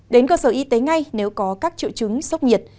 đến cơ sở y tế ngay nếu có các triệu chứng sốc nhiệt